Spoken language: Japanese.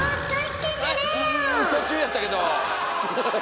うん途中やったけど！